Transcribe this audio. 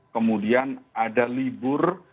kemudian ada libur